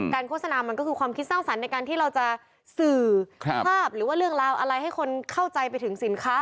โฆษณามันก็คือความคิดสร้างสรรค์ในการที่เราจะสื่อภาพหรือว่าเรื่องราวอะไรให้คนเข้าใจไปถึงสินค้า